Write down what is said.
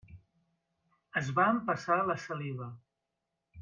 Es va empassar la saliva.